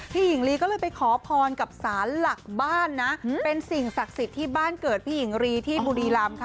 หญิงลีก็เลยไปขอพรกับสารหลักบ้านนะเป็นสิ่งศักดิ์สิทธิ์ที่บ้านเกิดพี่หญิงลีที่บุรีรำค่ะ